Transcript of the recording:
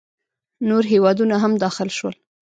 نور هیوادونه هم داخل شول.